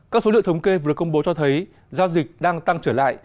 các số liệu thống kê vừa công bố cho thấy giao dịch đang tăng trở lại